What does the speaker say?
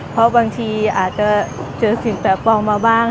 เพราะบางทีอาจจะเจอสิ่งแปลกปลอมมาบ้าง